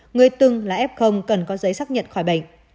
người từng là f cần có giấy xác nhận khỏi bệnh